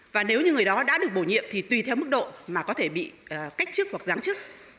và nếu như người đó đã được bổ nhiệm thì tùy theo mức độ mà có thể bị cách chức hoặc giám chức